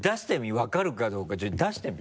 分かるかどうかちょっと出してみ？